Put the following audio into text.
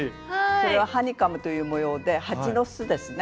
それはハニカムという模様で蜂の巣ですね。